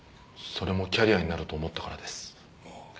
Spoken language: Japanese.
それもキャリアになると思ったからです。